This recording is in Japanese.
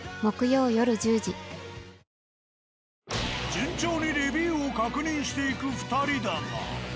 順調にレビューを確認していく２人だが。